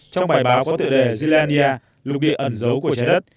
trong bài báo có tựa đề zealandia lục địa ẩn dấu của trái đất